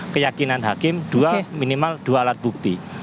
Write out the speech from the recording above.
keyakinan hakim dua minimal dua alat bukti